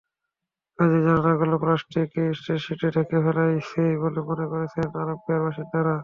কাজেই জানালাগুলো প্লাস্টিক শিটে ঢেকে ফেলাই শ্রেয় বলে মনে করছেন আলেপ্পোর বাসিন্দারা।